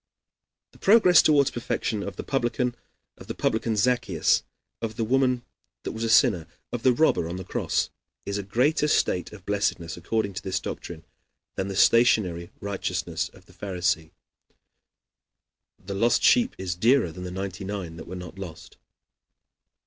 The progress toward perfection of the publican Zaccheus, of the woman that was a sinner, of the robber on the cross, is a greater state of blessedness, according to this doctrine, than the stationary righteousness of the Pharisee. The lost sheep is dearer than ninety nine that were not lost.